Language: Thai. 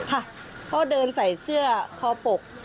ค่ะเขาเดินใส่เสื้อคอปก